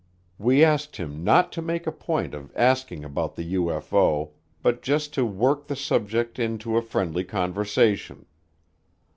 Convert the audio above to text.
We asked him not to make a point of asking about the UFO but just to work the subject into a friendly conversation.